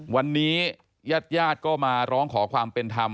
วันนี้ยาดก็มาร้องขอความเป็นธรรม